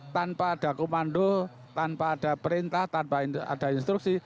tanpa ada komando tanpa ada perintah tanpa ada instruksi